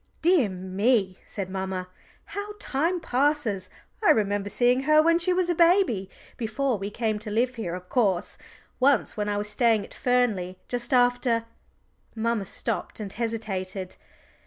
"Dear me," said mamma, "how time passes! I remember seeing her when she was a baby before we came to live here, of course, once when I was staying at Fernley, just after " Mamma stopped and hesitated.